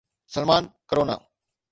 Salman corona